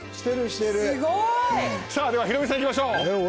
すごい！ではヒロミさんいきましょう。